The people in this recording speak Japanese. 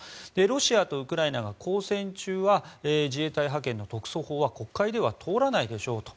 ロシアとウクライナが交戦中は自衛隊派遣の特措法は国会では通らないでしょうと。